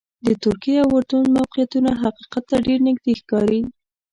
د ترکیې او اردن موقعیتونه حقیقت ته ډېر نږدې ښکاري.